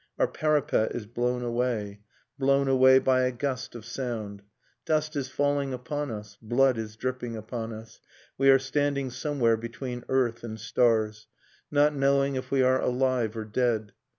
.. Our parapet is blown away, Blown away by a gust of sound, Dust is falling upon us, blood is dripping upon us, We are standing somewhere between earth and stars, Not knowing if we are alive or dead.